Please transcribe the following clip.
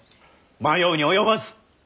迷うに及ばず！